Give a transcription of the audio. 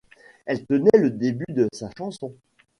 Elle tenait le début de sa chanson.